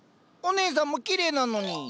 お姉さんもきれいなのに。